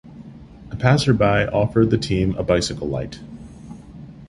A passerby offered the team a bicycle light.